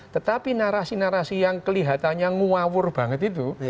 tetapi narasi narasi yang kelihatannya nguawur banget itu